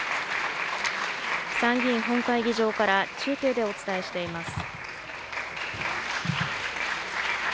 参議院本会議場から中継でお伝えしています。